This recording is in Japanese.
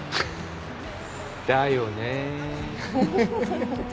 だよね。